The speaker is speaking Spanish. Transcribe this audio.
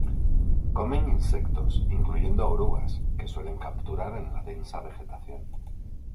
Comen insectos, incluyendo orugas, que suelen capturar en la densa vegetación.